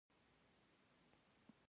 سمه ده. ما ورته وویل.